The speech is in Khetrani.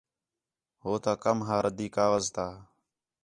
ہوتا کم ہا رَدّی کاغذ تا